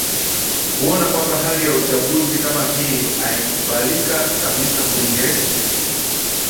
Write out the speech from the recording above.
kuona kwamba hali ya uchaguzi kama hii haikubalika kabisa tunge